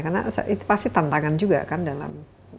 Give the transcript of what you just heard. karena itu pasti tantangan juga kan dalam